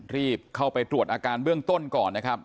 รีบเข้าไปตรวจอาการเบื้องต้นก่อนนะครับ